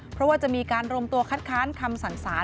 เพราะว่าจะมีการรวมตัวคัดค้านคำสั่งสาร